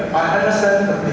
chúng ta còn không ý thức được